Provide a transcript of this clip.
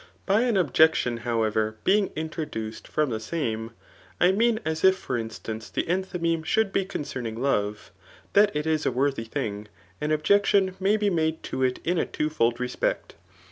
By an objection however bang introduced fifom die fldtme; I mean as if for instance the enthymeme sfaculd be ^0ncei^ng love, tiiat it is a woirthy thii^ an obj«ctioii may be made to it in a twofold respect.